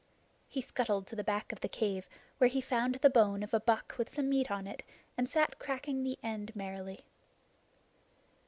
He scuttled to the back of the cave, where he found the bone of a buck with some meat on it, and sat cracking the end merrily.